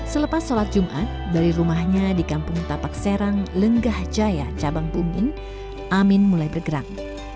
selepas sholat jumat dari rumahnya di kampung tapak serang lenggah jaya cabang buming amin mulai bergerak